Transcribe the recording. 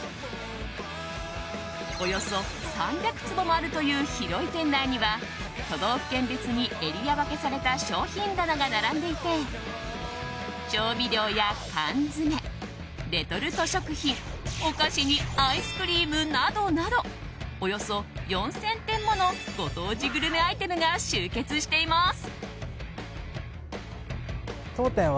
およそ３００坪もあるという広い店内には都道府県別にエリア分けされた商品棚が並んでいて調味料や缶詰、レトルト食品お菓子にアイスクリームなどなどおよそ４０００点ものご当地グルメアイテムが集結しています。